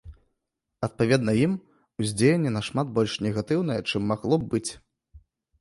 Адпаведна ім уздзеянне нашмат больш негатыўнае, чым магло б быць.